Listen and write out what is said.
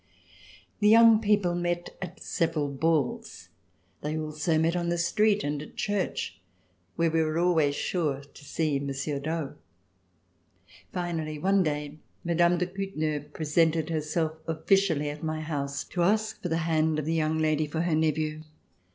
The young people met at several balls. They also C324] LIFE AT LK 1U)1 llJl met on the street and at church, where we were always sure to see Monsieur d'Aux. P^inally, one day, Mme. de Couteneuil presented herself ofticially at my house to ask for the hand of the young lady for her nephew.